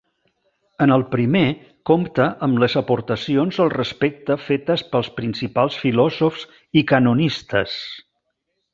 En el primer compta amb les aportacions al respecte fetes pels principals filòsofs i canonistes.